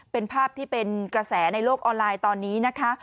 เป็นภาพที่เป็นกระแสในโลกออนไลน์ตอนนี้นะคะ